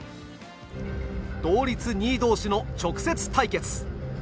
同率２位同士の直接対決。